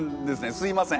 すいません。